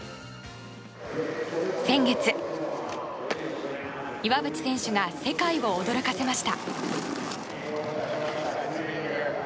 先月、岩渕選手が世界を驚かせました。